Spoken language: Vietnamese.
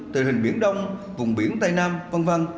tình hình biển đông vùng biển tây nam v v